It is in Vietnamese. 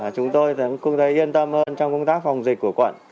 chúng tôi cũng thấy yên tâm hơn trong công tác phòng dịch của quận